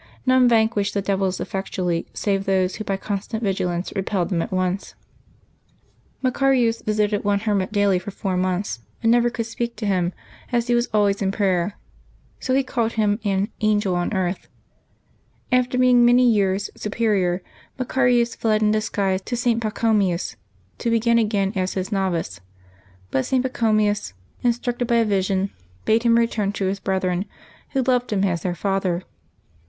None vanquished the devils effectually save those who by constant vigilance repelled them at once. Maca 24 LIVES OF THE SAINTS [January 3 rius visited one hermit daily for four montlis, but never could speak to him, as he was always in prayer; so he called him an '^ angel on earth/' After being many years Superior, Maearius fled in disguise to St. Pachomius, to begin again as his novice; but St. Pachomius, instructed by a vision, bade him return to his brethren, who loved him as their father.